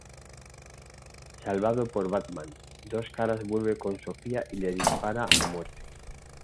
Salvado por Batman, Dos Caras vuelve con Sofía y le dispara a muerte.